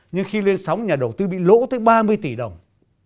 nhưng khi lên sóng nhà đầu tư bị lỗ tới ba mươi tỷ đồng